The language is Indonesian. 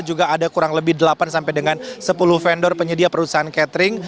juga ada kurang lebih delapan sampai dengan sepuluh vendor penyedia perusahaan catering